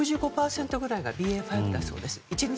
６５％ぐらいがＢＡ．５だそうです。